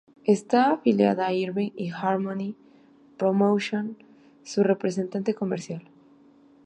Está afiliada a Irving y Harmony Promotion, su representante comercial.